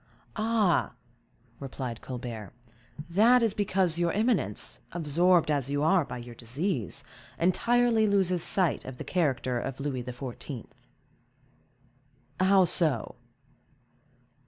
"Ah," replied Colbert, "that is because your eminence, absorbed as you are by your disease, entirely loses sight of the character of Louis XIV." "How so?"